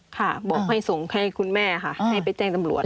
ค่ะบอกให้ส่งให้คุณแม่ค่ะให้ไปแจ้งตำรวจ